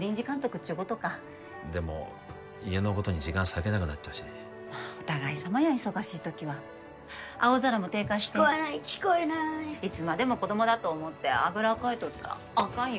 っちゅうことかでも家のことに時間割けなくなっちゃうしお互いさまや忙しい時は青空も手貸して聞こえない聞こえないいつまでも子どもだと思ってあぐらをかいとったらあかんよ